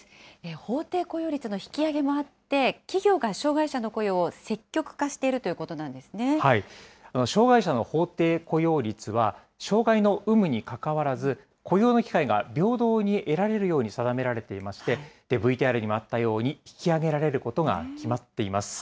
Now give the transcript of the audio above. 法定雇用率の引き上げもあって、企業が障害者の雇用を積極化して障害者の法定雇用率は、障害の有無にかかわらず、雇用の機会が平等に得られるように定められていまして、ＶＴＲにもあったように引き上げられることが決まっています。